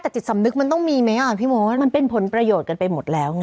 แต่จิตสำนึกมันต้องมีไหมอ่ะพี่มดมันเป็นผลประโยชน์กันไปหมดแล้วไง